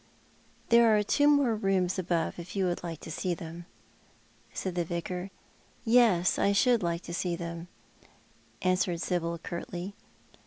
"There are two more rooms above, if you would like to sec them ?" said the Vicar. " Yes, I should like to see them," answered Sibyl curtly.